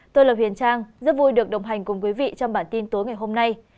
tôi là huyền trang rất vui được đồng hành cùng quý vị trong bản tin tối ngày hôm nay